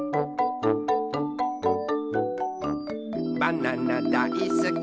「バナナだいすき